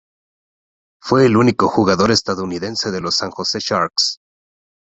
Fue el único jugador estadounidense de los San Jose Sharks.